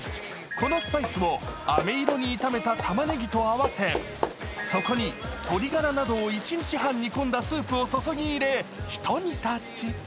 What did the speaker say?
このスパイスをあめ色に炒めたたまねぎと合わせ、そこに鶏ガラなどを１日半煮込んだスープを注ぎ入れ、一煮立ち。